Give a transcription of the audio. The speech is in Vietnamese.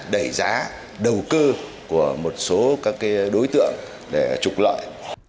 đẩy giá đầu cư của một số các cái đối tượng để trục lợi